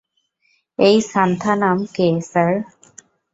এই সান্থানাম কে, স্যার?